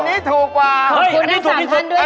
อันนี้ถูกกว่าขอบคุณทั้ง๓ท่านด้วย